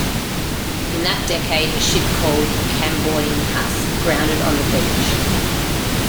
In that decade, a ship called "Camboinhas" grounded on the beach.